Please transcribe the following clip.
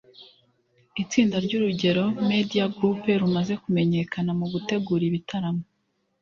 Itsinda ry’urugero media group rumaze kumenyekana mu gutegura ibitaramo